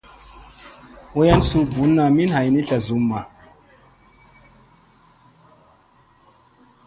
Wayan suu bunna min hayni boy tla zumma.